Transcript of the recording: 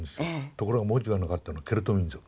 ところが文字がなかったのがケルト民族。